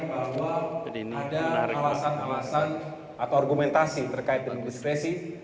itu menunjukkan bahwa ada alasan alasan atau argumentasi terkait dengan diskresi